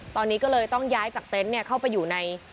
ตอนนี้ก็เลยต้องย้ายจากเต็นต์เข้าไปอยู่ใน